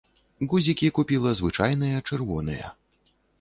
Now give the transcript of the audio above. Гузікі купіла звычайныя чырвоныя.